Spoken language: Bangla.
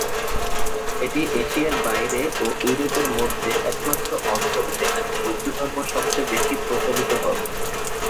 এটি এশিয়ার বাইরে ও ইউরোপের মধ্যে একমাত্র অঞ্চল যেখানে বৌদ্ধধর্ম সবচেয়ে বেশি প্রচলিত ধর্ম।